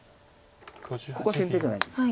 ここ先手じゃないですか。